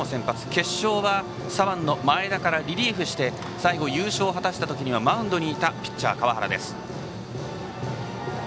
決勝は左腕の前田からリリーフして最後、優勝を果たした時にはマウンドにいたピッチャーの川原。